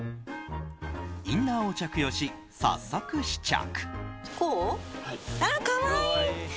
インナーを着用し、早速試着。